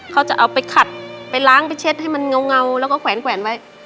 เขาจะเอาไปขัดไปล้างไปเช็ดให้มันเงาแล้วก็แขวนไว้